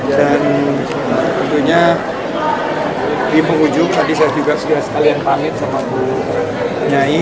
dan tentunya di penghujung tadi saya juga sudah sekalian pamit sama bu nyai